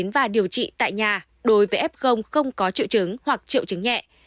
và điều trị tại nhà đối với f không có triệu chứng hoặc triệu chứng nhẹ